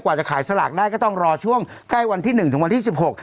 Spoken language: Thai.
จะขายสลากได้ก็ต้องรอช่วงใกล้วันที่หนึ่งถึงวันที่สิบหก